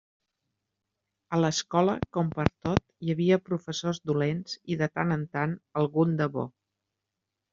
A l'escola, com pertot, hi havia professors dolents i, de tant en tant, algun de bo.